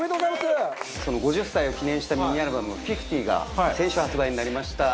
その５０歳を記念したミニアルバム『Ｌ−ｆｉｆｔｙ−』が先週発売になりました。